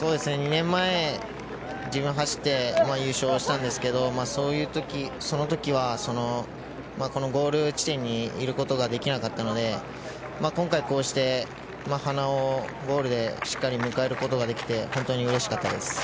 ２年前、自分が走って優勝したんですけどその時は、このゴール地点にいることができなかったので今回こうして花尾をゴールでしっかり迎えることができて本当にうれしかったです。